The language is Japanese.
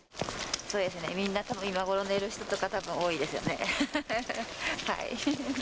みんなたぶん、今ごろ寝る人とか、たぶん多いですよね。